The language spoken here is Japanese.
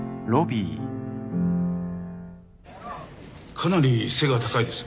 かなり背が高いです。